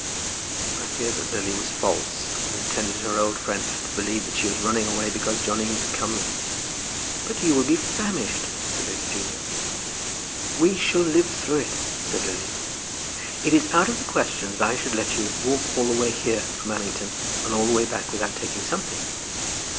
I fear that Lily was false, and intended her old friend to believe that she was running away because John Eames had come there. "But you will be famished," said Lady Julia. "We shall live through it," said Lily. "It is out of the question that I should let you walk all the way here from Allington and all the way back without taking something."